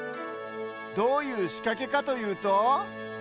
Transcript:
どういうしかけかというと。